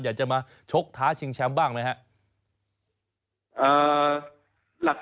อยากจะมาชกท้าชิงแชมป์บ้างไหมครับ